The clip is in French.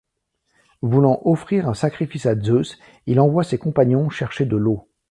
Voulant offrir un sacrifice à Zeus, il envoie ses compagnons chercher de l'eau.